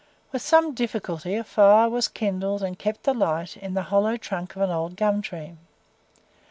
With some difficulty a fire was kindled and kept alight in the hollow trunk of an old gum tree.